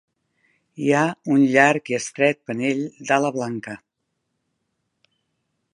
Hi ha un llarg i estret panell d'ala blanca.